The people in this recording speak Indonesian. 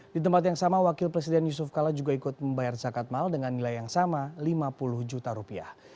di tempat yang sama wakil presiden yusuf kala juga ikut membayar zakat mal dengan nilai yang sama lima puluh juta rupiah